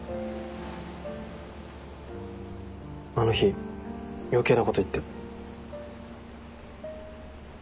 あの日余計なこと言って。